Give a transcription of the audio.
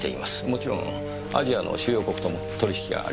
もちろんアジアの主要国とも取引があります。